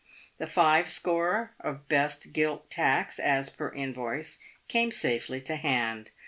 The five score of best gilt tacks, as per invoice, came safely to hand.